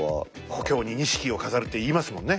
「故郷に錦を飾る」って言いますもんね。